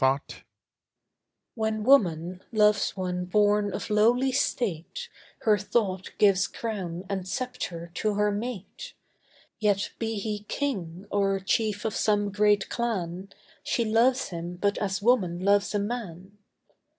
ESTHER When woman loves one born of lowly state, Her thought gives crown and sceptre to her mate; Yet be he king, or chief of some great clan, She loves him but as woman loves a man.